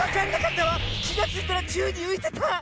きがついたらちゅうにういてた。